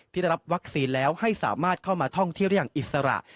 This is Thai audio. ที่ได้รับวัคซีนแล้วให้สามารถเข้ามาท่องเที่ยวได้อย่างอิสระ